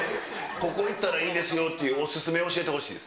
ここ行ったらいいですよっていうお勧め教えてほしいです。